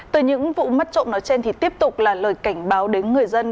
từ những vụ mất trộm nói trên thì tiếp tục là lời cảnh báo đến người dân